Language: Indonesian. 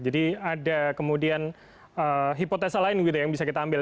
jadi ada kemudian hipotesa lain gitu yang bisa kita ambil